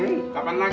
nih makan siang